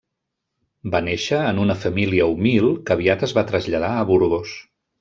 Va néixer en una família humil que aviat es va traslladar a Burgos.